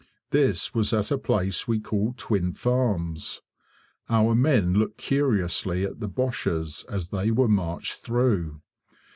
This was at a place we call Twin Farms. Our men looked curiously at the Boches as they were marched through.